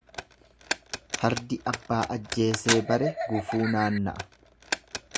Fardi abbaa ajeesee bare gufuu naanna'a.